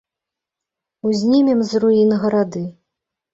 Узнімем з руін гарады.